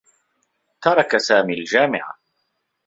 ترك سامي الجامعة.